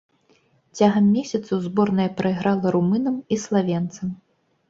Цягам месяцу зборная прайграла румынам і славенцам.